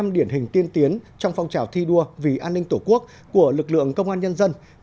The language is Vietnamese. bảy mươi điển hình tiên tiến trong phong trào thi đua vì an ninh tổ quốc của lực lượng công an nhân dân